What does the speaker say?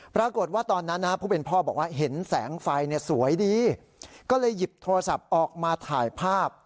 ปรากฏว่าตอนนั้นผู้เป็นพ่อบอกว่าเห็นแสงไฟสวยดีก็เลยหยิบโทรศัพท์ออกมาถ่ายภาพ